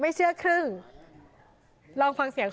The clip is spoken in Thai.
วิทยาลัยศาสตรี